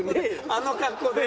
あの格好で？